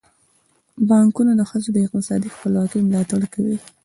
بانکونه د ښځو د اقتصادي خپلواکۍ ملاتړ کوي.